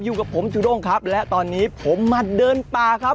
อยู่กับผมจูด้งครับและตอนนี้ผมมาเดินป่าครับ